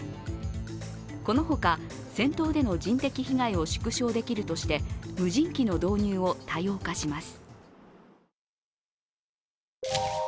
このほか、戦闘での人的被害を縮小できるとして無人機の導入を多様化します。